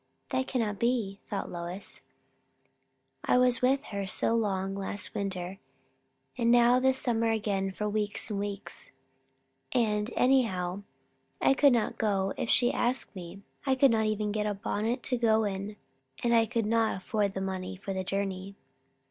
That cannot be, thought Lois; I was with her so long last winter, and now this summer again for weeks and weeks And, anyhow, I could not go if she asked me. I could not even get a bonnet to go in; and I could not afford the money for the journey.